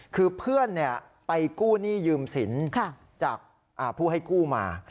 คือเพื่อนไปกู้หนี้ยืมสินจากผู้ให้กู้มา